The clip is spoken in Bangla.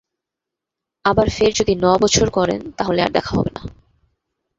আবার ফের যদি ন বছর করেন তা হলে আর দেখা হবে না।